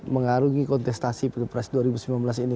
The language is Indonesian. mengarungi kontestasi pilpres dua ribu sembilan belas ini